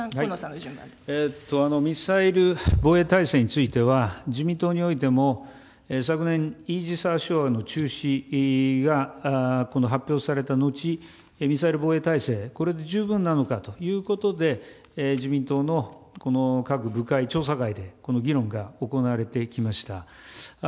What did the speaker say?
ミサイル防衛体制については、自民党においても昨年、イージス・アショアの中止が発表された後、ミサイル防衛体制、これで十分なのかということで、自民党の各部会、調査会で、この議論が行われてきました。